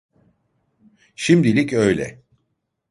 Şimdilik öyle.